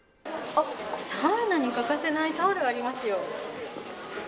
サウナに欠かせないタオルがありますよ。